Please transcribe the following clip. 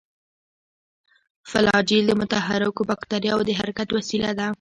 فلاجیل د متحرکو باکتریاوو د حرکت وسیله ده.